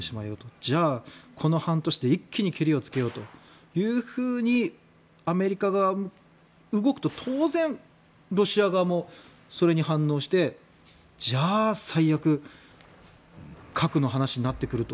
じゃあ、この半年で一気にけりをつけようとアメリカが動くと当然ロシア側もそれに反応して、じゃあ最悪核の話になってくると。